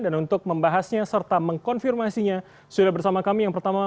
dan untuk membahasnya serta mengkonfirmasinya sudah bersama kami yang pertama